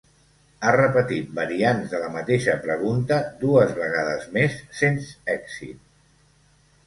Ha repetit variants de la mateixa pregunta dues vegades més, sens èxit.